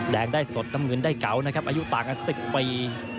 แดงได้สดน้ำเงินได้เก๋านะครับอายุต่างกัน๑๐ปี